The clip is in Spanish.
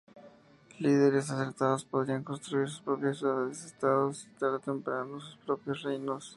Líderes acertados podrían construir sus propias ciudades-estados y tarde o temprano sus propios Reinos.